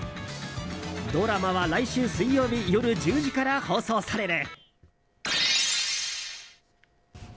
ドラマは来週水曜日夜１０時から放送される。